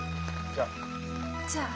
じゃあ。